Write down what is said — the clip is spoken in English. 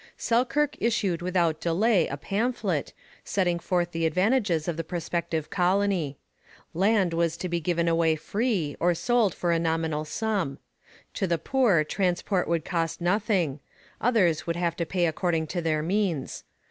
Selkirk issued without delay a pamphlet, setting forth the advantages of the prospective colony. Land was to be given away free, or sold for a nominal sum. To the poor, transport would cost nothing; others would have to pay according to their means.